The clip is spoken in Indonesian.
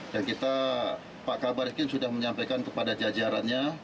dan kita pak kabaris krim sudah menyampaikan kepada jajarannya